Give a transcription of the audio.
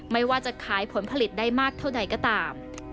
ไม่ว่าจะขายผลผลิตได้มากเท่าใดก็ตาม